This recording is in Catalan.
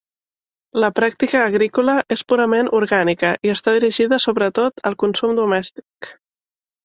La pràctica agrícola és purament orgànica i està dirigida sobretot al consum domèstic.